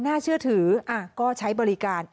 น่าเชื่อถือก็ใช้บริการ